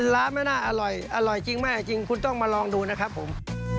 ร้านไม่น่าอร่อยอร่อยจริงไม่จริงคุณต้องมาลองดูนะครับผม